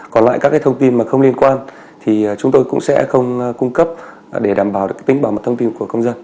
còn lại các thông tin mà không liên quan thì chúng tôi cũng sẽ không cung cấp để đảm bảo được tính bảo mật thông tin của công dân